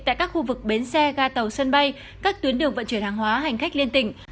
tại các khu vực bến xe ga tàu sân bay các tuyến đường vận chuyển hàng hóa hành khách liên tỉnh